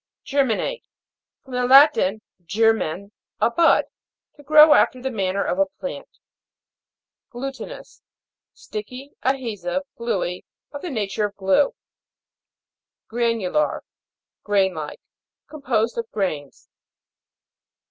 GER'MINATK. From the Latin, ger men, a bud. To grow after the manner of a plant. GLU'TINOUS. Sticky, adhesive, gluey. Of the nature of glue. GRA'NULAR. Grain like ; composed of grains.